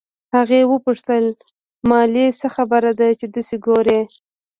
هغې وپوښتل مالې څه خبره ده چې دسې ګورې.